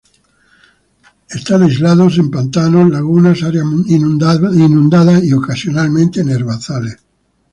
Existen reportes aislados en pantanos, lagunas, áreas inundadas y ocasionalmente en herbazales.